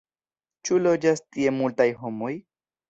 Ĉu loĝas tie multaj homoj?